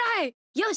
よし！